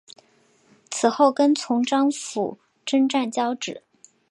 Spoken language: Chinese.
此后跟从张辅征战交址。